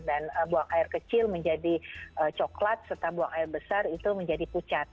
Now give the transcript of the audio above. dan buang air kecil menjadi coklat serta buang air besar itu menjadi pucat